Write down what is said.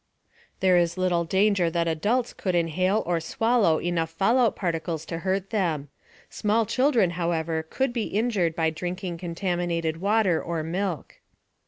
* There is little danger that adults could inhale or swallow enough fallout particles to hurt them. Small children, however, could be injured by drinking contaminated water or milk.